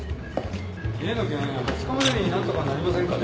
例の件２０日までに何とかなりませんかね？